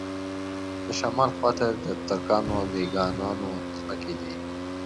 د شمال خواته د ترکانو او دېګانانو ځمکې دي.